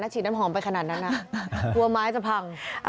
ฉีดน้ำหอมไปขนาดนั้นนะกลัวไม้จะพัง